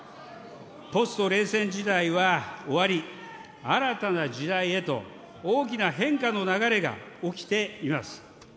ポスト冷戦時代は終わり、新たな時代へと大きな変化の流れが起きています。